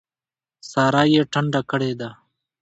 سارا يې ټنډه کړې ده.